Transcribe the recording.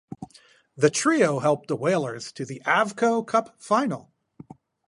The trio helped the Whalers to the Avco Cup final.